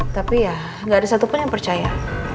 tapi ya nggak ada satupun yang percaya